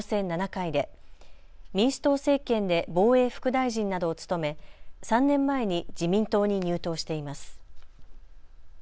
７回で民主党政権で防衛副大臣などを務め３年前に自民党に入党しています。